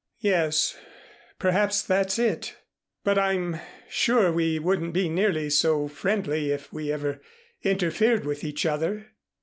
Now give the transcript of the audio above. "Yes, perhaps that's it. But I'm sure we wouldn't be nearly so friendly if we ever interfered with each other."